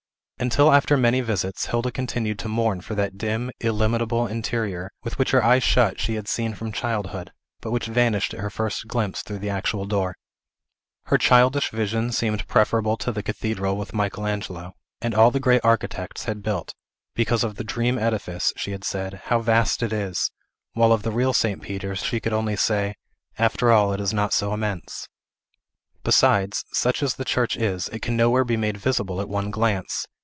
Until after many visits, Hilda continued to mourn for that dim, illimitable interior, which with her eyes shut she had seen from childhood, but which vanished at her first glimpse through the actual door. Her childish vision seemed preferable to the cathedral which Michael Angelo, and all the great architects, had built; because, of the dream edifice, she had said, "How vast it is!" while of the real St. Peter's she could only say, "After all, it is not so immense!" Besides, such as the church is, it can nowhere be made visible at one glance.